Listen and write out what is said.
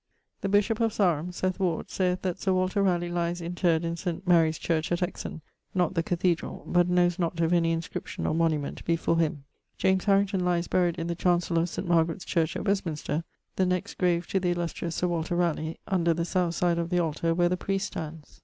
_> The bishop of Sarum saieth that Sir Walter Raleigh lyes interred in St. Marie's church at Exon, not the cathedral: but knowes not if any inscription or monument be for him. lyes buried in the chancell of St. Margarite's church at Westminster, the next grave to the illustrious Sir Walter Raleigh, under the south side of the altar where the priest stands.